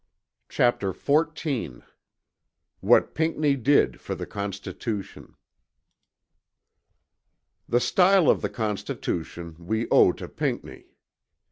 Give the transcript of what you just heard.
CHAPTER IV WHAT PINCKNEY DID FOR THE CONSTITUTION The style of the Constitution, we owe to Pinckney.